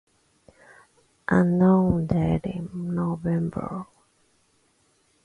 Unknown date in Nov.